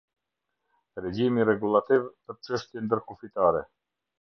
Regjimi rregullativ për çështje ndërkufitare.